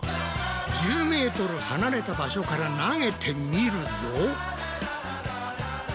１０ｍ離れた場所から投げてみるぞ！